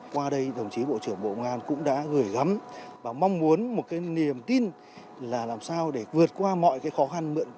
qua đây đồng chí bộ trưởng bộ ngoan cũng đã gửi gắm và mong muốn một cái niềm tin là làm sao để vượt qua mọi cái khó khăn mượn